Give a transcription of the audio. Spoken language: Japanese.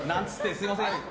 すみません。